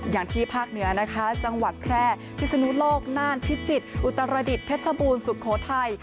อย่างที่ภาคเหนือนะคะจังหวัดแพร่พิศนุโลกน่านพิจิตรอุตรดิษฐเพชรบูรณสุโขทัย